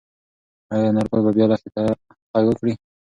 ايا انارګل به بیا لښتې ته غږ وکړي؟